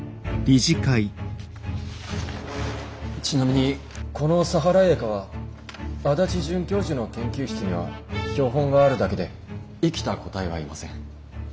ちなみにこのサハライエカは足立准教授の研究室には標本があるだけで生きた個体はいません。